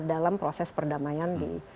dalam proses perdamaian di